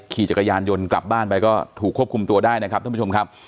ขี่จักรยานยนต์กลับบ้านไปก็ถูกควบคุมตัวได้นะครับท่านผู้ชมครับ